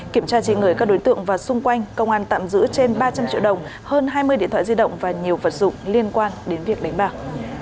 kiểm tra trên người các đối tượng và xung quanh công an tạm giữ trên ba trăm linh triệu đồng hơn hai mươi điện thoại di động và nhiều vật dụng liên quan đến việc đánh bạc